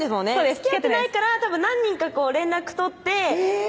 つきあってないからたぶん何人か連絡取ってえぇ！